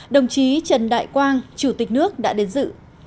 đồng chí trần đại quang chủ tịch nước đã đến dự